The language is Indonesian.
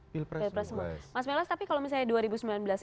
bill press mas melas tapi kalau misalnya